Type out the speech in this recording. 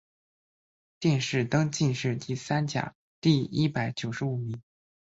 殿试登进士第三甲第一百九十五名。